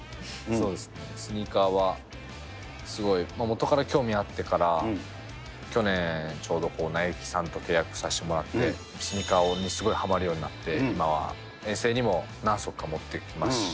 そうです、スニーカーはすごい、もとから興味あってから、去年、ちょうどナイキさんと契約させてもらって、スニーカーにすごいはまるようになって、今は遠征にも何足か持っていきますし。